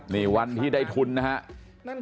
นี่วันที่ได้ทุนนะครับ